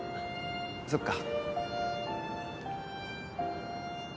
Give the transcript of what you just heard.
そっか。